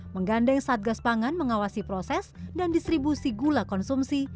menggandeng satgas pangan mengawasi proses dan distribusi gula konsumsi